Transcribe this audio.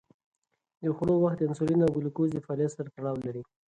د خوړو وخت د انسولین او ګلوکوز د فعالیت سره تړاو لري.